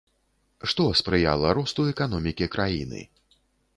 Што спрыяла росту эканомікі краіны?